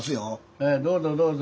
ええどうぞどうぞ。